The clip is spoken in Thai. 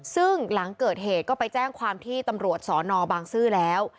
ซึ่งหลังเกิดเหตุก็ไปแจ้งความที่ตำรวจสอนอบางซื่อแล้ว